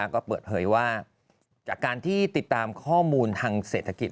ก็เปิดเผยว่าจากการที่ติดตามข้อมูลทางเศรษฐกิจ